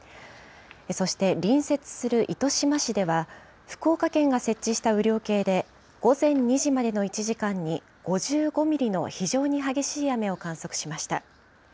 そして、隣接する糸島市では、福岡県が設置した雨量計で午前２時までの１時間に５５ミリの非常に激しい雨を観測しました。